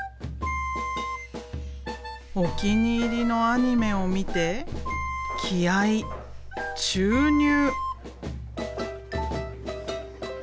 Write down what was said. お気に入りのアニメを見て気合い注入！